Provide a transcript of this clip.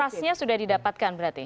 trustnya sudah didapatkan berarti